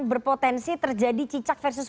berpotensi terjadi cicak versus